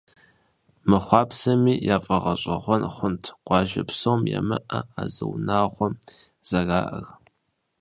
Мыхъуапсэми, яфӏэгъэщӏэгъуэн хъунт, къуажэ псом ямыӏэ а зы унагъуэм зэраӏэр.